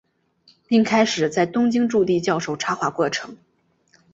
并开始在东京筑地教授插画课程。